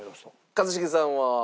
一茂さんは？